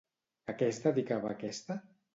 A què es dedicava aquesta?